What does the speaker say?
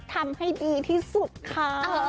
ทำให้ดีที่สุดค่ะ